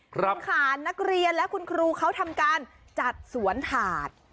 คุณขานนักเรียนและคุณครูเขาทำการจัดสวนถาด